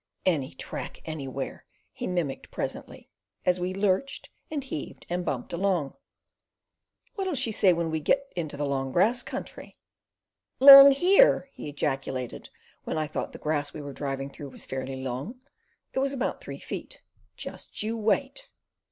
"Any track anywhere!" he mimicked presently, as we lurched, and heaved, and bumped along. "What'll she say when we get into the long grass country?" "Long here!" he ejaculated, when I thought the grass we were driving through was fairly long (it was about three feet). "Just you wait!"